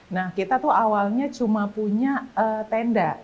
nah kita tuh awalnya cuma punya tenda